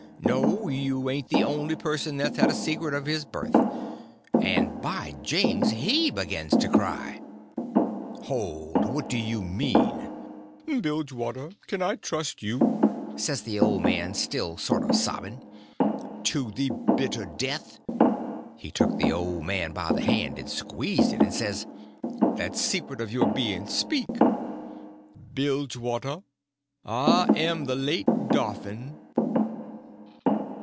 "No, you ain't the only person that's had a secret of his birth." And, by jings, he begins to cry. "Hold! What do you mean?" "Bilgewater, kin I trust you?" says the old man, still sort of sobbing. "To the bitter death!" He took the old man by the hand and squeezed it, and says, "That secret of your being: speak!" "Bilgewater, I am the late Dauphin!"